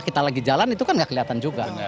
kita lagi jalan itu kan gak kelihatan juga